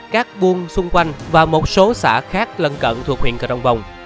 các buôn xung quanh và một số xã khác lân cận thuộc huyện cờ rồng bồng